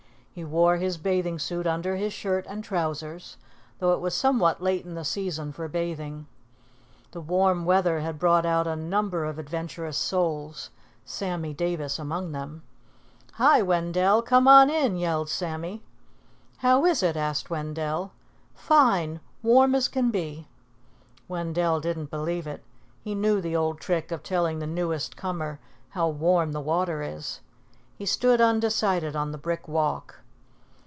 He wore his bathing suit under his shirt and trousers, though it was somewhat late in the season for bathing. The warm weather had brought out a number of adventurous souls, Sammy Davis among them. "Hi, Wendell, come on in," yelled Sammy. "How is it?" asked Wendell. "Fine! Warm as can be." Wendell didn't believe it. He knew the old trick of telling the newest comer how warm the water is. He stood undecided on the brick walk.